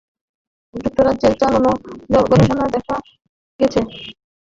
যুক্তরাষ্ট্রে চালানো গবেষণায় দেখা গেছে, সেখানে গরিবেরা বেশি সংখ্যায় ভোট দেন না।